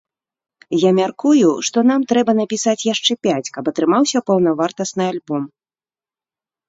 Я мяркую, што нам трэба напісаць яшчэ пяць, каб атрымаўся паўнавартасны альбом.